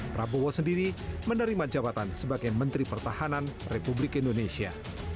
prabowo sendiri menerima jabatan sebagai menteri pertahanan republik indonesia